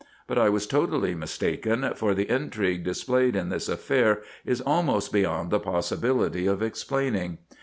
But I was totally mistaken, for the intrigue displayed in this affair is almost beyond the possibility of explaining.